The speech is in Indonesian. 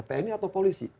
tni atau polisi